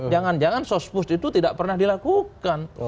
jangan jangan sospus itu tidak pernah dilakukan